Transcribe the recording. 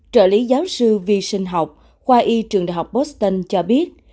trợ lý giáo sư vi sinh học khoa y trường đại học poston cho biết